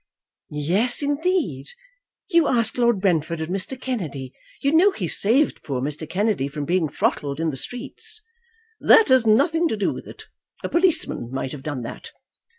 "Yes, indeed. You ask Lord Brentford, and Mr. Kennedy. You know he saved poor Mr. Kennedy from being throttled in the streets." "That has nothing to do with it. A policeman might have done that."